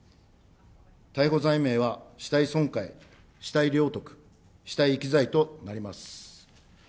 逮捕罪名は死体損壊、死体領得、死体遺棄罪となります。